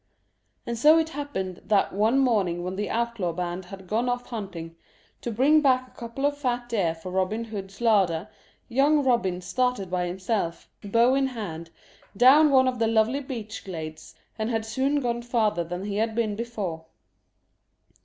And so it happened that one morning when the outlaw band had gone off hunting, to bring back a couple of fat deer for Robin Hood's larder, young Robin started by himself, bow in hand, down one of the lovely beech glades, and had soon gone farther than he had been before.